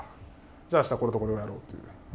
じゃあ明日これとこれをやろうっていう。